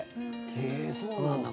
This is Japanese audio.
へえ、そうなんだ。